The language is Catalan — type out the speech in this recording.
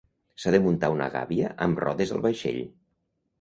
S'ha de muntar una gàbia amb rodes al vaixell.